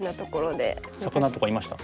魚とかいました？